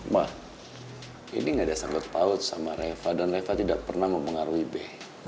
ma ini gak ada sanggup paut sama reva dan reva tidak pernah mempengaruhi be